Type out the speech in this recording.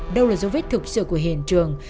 đâu là dấu vết thực sự của hiện trường